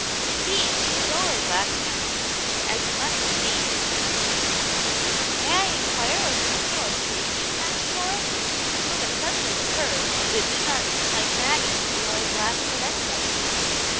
Indeed, she is alway laughing at me^ as you must have seen," 82 Atmt J afters Hero, "May I inquire of whom you are speaking?'* asked Horace, to whom it suddenly occurred that it did not seem like Maggie to be always laughing at anybody.